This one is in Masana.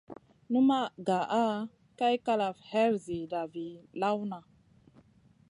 Nul ma nʼga nʼa Kay kalaf her ziida vii lawna.